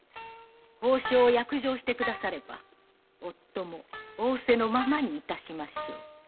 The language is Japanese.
報償を約定してくだされば夫も仰せのままにしましょう。